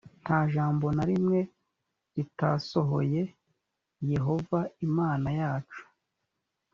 nta jambo na rimwe ritasohoye v yehova imana yacu